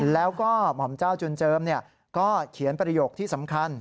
แล้วก็หม่อมเจ้าจุนเจิมก็เขียนประโยคที่สำคัญ